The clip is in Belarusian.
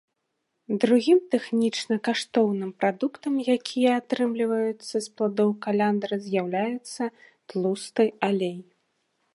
Другім тэхнічна каштоўным прадуктам, якія атрымліваюцца з пладоў каляндры, з'яўляецца тлусты алей.